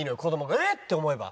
「えっ！」って思えば。